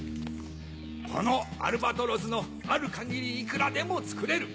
このアルバトロスのある限りいくらでも造れる。